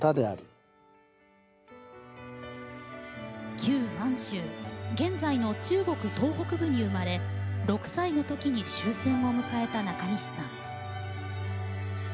旧満州現在の中国東北部に生まれ６歳のときに終戦を迎えたなかにしさん。